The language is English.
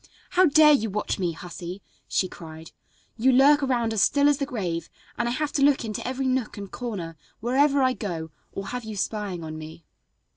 "How dare you watch me, hussy?" she cried. "You lurk around as still as the grave, and I have to look into every nook and corner, wherever I go, or have you spying on me."